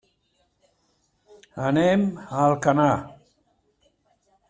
Anem a Alcanar.